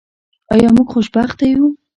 آیا موږ خوشبخته یو؟